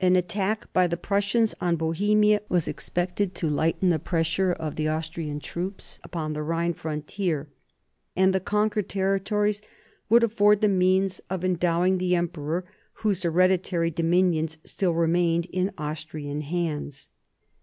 An attack by the Prussians on Bohemia was expected to lighten the pressure of the Austrian troops upon the Khine frontier, and the conquered territories would afford the means of endowing the emperor whose hereditary dominions still remained in Austrian hands.